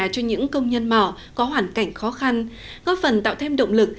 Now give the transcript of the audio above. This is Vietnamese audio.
cho những công nhân mỏ có hoàn cảnh khó khăn góp phần tạo thêm động lực